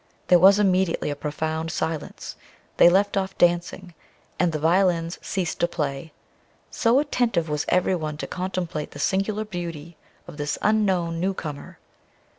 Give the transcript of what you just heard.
There was immediately a profound silence, they left off dancing, and the violins ceased to play, so attentive was every one to contemplate the singular beauty of this unknown new comer.